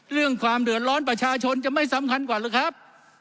เรื่องความเดือดร้อนประชาชนจะไม่สำคัญกว่าหรือครับ